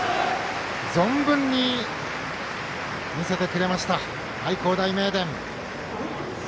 存分に見せてくれました愛工大名電。